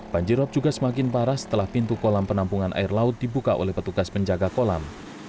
banjir rop juga semakin parah setelah pintu kolam penampungan air laut dibuka oleh petugas penjaga kolam